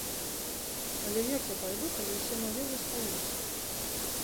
Але як я пайду, калі ўсе мае застаюцца?